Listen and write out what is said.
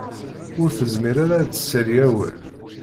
Ur tezmir ara ad d-tessali awal.